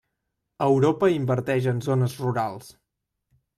Europa invertix en zones rurals.